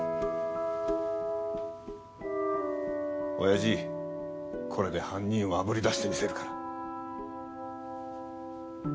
親父これで犯人を炙り出してみせるから。